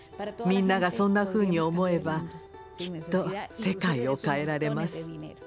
みんながそんなふうに思えばきっと世界を変えられます。